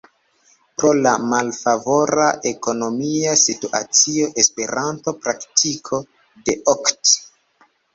Pro la malfavora ekonomia situacio "Esperanto-Praktiko" de okt.